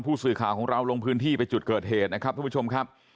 ผู้สื่อข่าวของเราลงพื้นที่ไปจุดเกิดเหตุนะครับทุกผู้ชมครับ